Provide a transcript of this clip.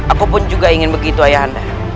aku pun juga ingin begitu ayahanda